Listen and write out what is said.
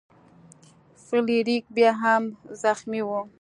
فلیریک بیا هم زخمی و.